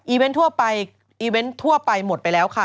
อีเวนต์ทั่วไปถามว่าหมดไปแล้วค่ะ